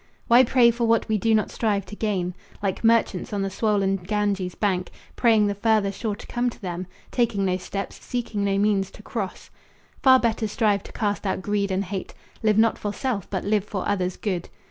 Why pray for what we do not strive to gain? Like merchants on the swollen Ganges' bank Praying the farther shore to come to them, Taking no steps, seeking no means, to cross. Far better strive to cast out greed and hate. Live not for self, but live for others' good.